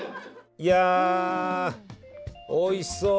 いやおいしそう。